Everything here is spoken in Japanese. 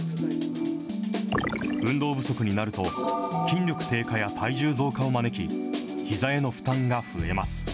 運動不足になると、筋力低下や体重増加を招き、ひざへの負担が増えます。